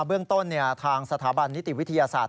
เบื้องต้นทางสถาบันนิติวิทยาศาสตร์